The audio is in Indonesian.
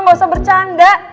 gak usah bercanda